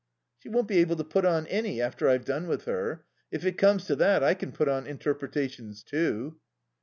"She won't be able to put on any after I've done with her. If it comes to that, I can put on interpretations too." Mr.